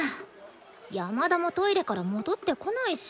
山田もトイレから戻ってこないし。